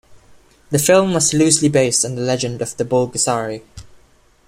The film was loosely based on the legend of the Bulgasari.